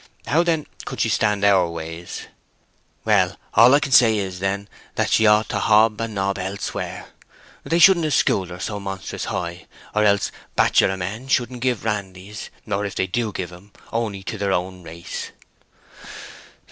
How, then, could she stand our ways?" "Well, all I can say is, then, that she ought to hob and nob elsewhere. They shouldn't have schooled her so monstrous high, or else bachelor men shouldn't give randys, or if they do give 'em, only to their own race."